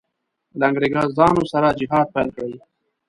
له انګرېزانو سره جهاد پیل کړي.